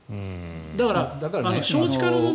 だから、少子化の問題。